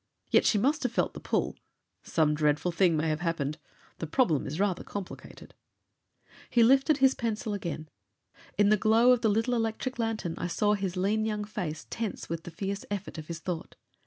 Yet she must have felt the pull. Some dreadful thing may have happened. The problem is rather complicated." He lifted his pencil again. In the glow of the little electric lantern I saw his lean young face tense with the fierce effort of his thought.